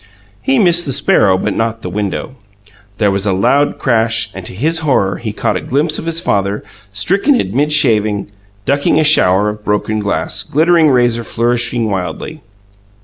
He missed the sparrow, but not the window. There was a loud crash, and to his horror he caught a glimpse of his father, stricken in mid shaving, ducking a shower of broken glass, glittering razor flourishing wildly.